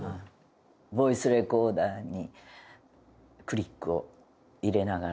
ボイスレコーダーにクリックを入れながら。